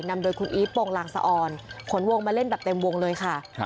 นำโดยคุณอีฟโปรงลางสะออนขนวงมาเล่นแบบเต็มวงเลยค่ะ